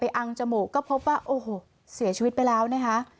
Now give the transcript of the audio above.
อังจมูกก็พบว่าโอ้โหเสียชีวิตไปแล้วนะคะ